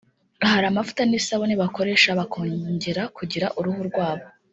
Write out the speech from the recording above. hari amavuta n’isabune bakoresha bakongera kugira uruhu rwabo